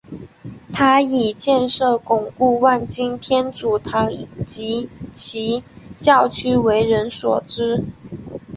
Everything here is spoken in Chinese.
他以建设巩固万金天主堂及其教区为人所知。